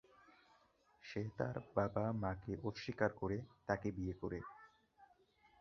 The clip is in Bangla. সে তার বাবা-মাকে অস্বীকার করে তাকে বিয়ে করে।